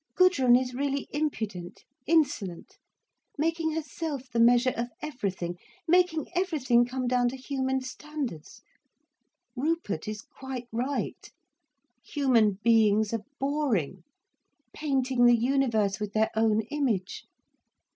Gudrun is really impudent, insolent, making herself the measure of everything, making everything come down to human standards. Rupert is quite right, human beings are boring, painting the universe with their own image.